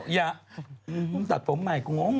อย่ามึงตัดผมใหม่กูงง